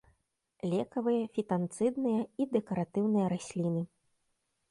Лекавыя, фітанцыдныя і дэкаратыўныя расліны.